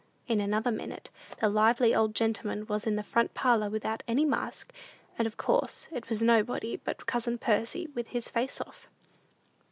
In another minute the lively old gentleman was in the front parlor without any mask, and of course it was nobody but cousin Percy "with his face off."